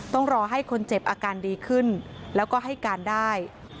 ต้องรอให้คนเจ็บอาการดีขึ้นแล้วก็ให้การได้